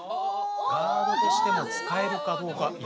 ガードとしても使えるかどうか？